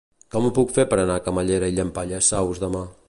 Com ho puc fer per anar a Camallera i Llampaies Saus demà?